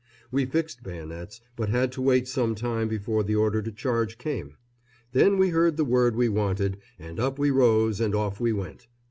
We fixed bayonets, but had to wait some time before the order to charge came; then we heard the word we wanted, and up we rose and off we went.